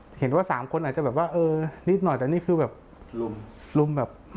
เห็นว่า๓คนอาจจะแบบว่านิดหน่อยแต่นี่คือแบบรุ่ม